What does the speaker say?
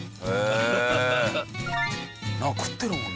なんか食ってるもんね。